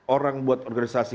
orang buat organisasi